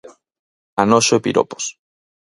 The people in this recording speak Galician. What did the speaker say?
Anoxo e piropos.